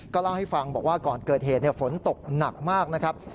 เล่าให้ฟังบอกว่าก่อนเกิดเหตุฝนตกหนักมากนะครับ